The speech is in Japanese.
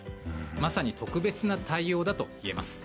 まさに特別な対応だといえます。